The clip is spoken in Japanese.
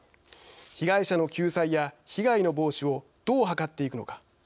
被害者の救済や被害の防止をどう図っていくのか。